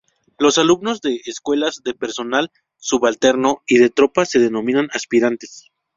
Los alumnos de escuelas de personal subalterno y de tropa se denominan aspirantes.